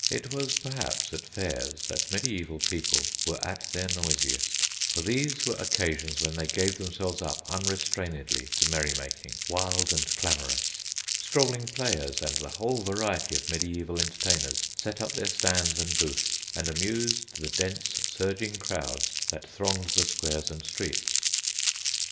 It was perhaps at fairs that mediæval people were at their noisiest, for these were occasions when they gave themselves up unrestrainedly to merry making, wild and clamorous. Strolling players and the whole variety of mediæval entertainers set up their stands and booths, and amused the dense surging crowds that thronged the squares and streets.